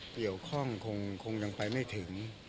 เกี่ยวข้องคงยังไปไม่ถึง